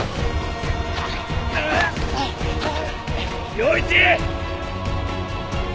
陽一！